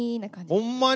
ほんまに？